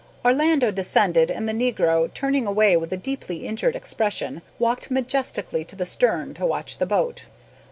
Orlando descended, and the negro, turning away with a deeply injured expression, walked majestically to the stern to watch the boat.